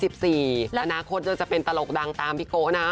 ๒๔ประนาคตจะเป็นตลกดังตามพี่โกตินะ